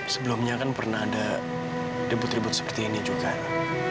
sebelumnya kan pernah ada debut ribut seperti ini juga